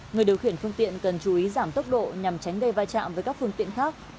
người điều khiển phương tiện cần chú ý giảm tốc độ nhằm tránh gây va chạm với các phương tiện khác